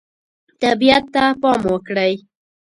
طبیعت ته پام وکړئ.